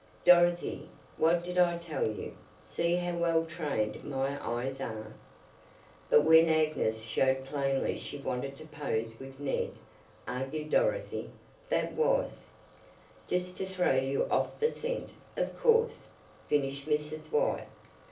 Dorothy, what did I tell you? See how well trained my eyes are." "But when Agnes showed plainly she wanted to pose with Ned," argued Dorothy, "that was " "Just to throw you off the scent, of course," finished Mrs. White.